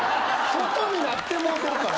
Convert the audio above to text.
外になってもうてるから。